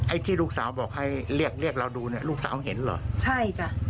ที่ลูกสาวบอกให้เรียกเรียกเราดูเนี่ยลูกสาวเห็นเหรอใช่จ้ะ